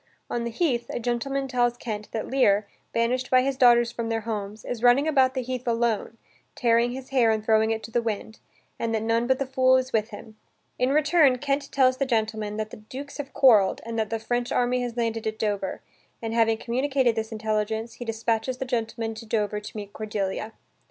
On the heath, a gentleman tells Kent that Lear, banished by his daughters from their homes, is running about the heath alone, tearing his hair and throwing it to the wind, and that none but the fool is with him. In return Kent tells the gentleman that the dukes have quarrelled, and that the French army has landed at Dover, and, having communicated this intelligence, he dispatches the gentleman to Dover to meet Cordelia.